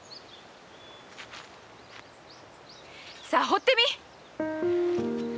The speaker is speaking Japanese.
さあほってみい！